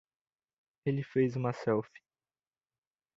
Ele fez uma selfie.